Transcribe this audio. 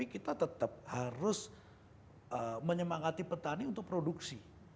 kita tetap harus menyemangati petani untuk produksi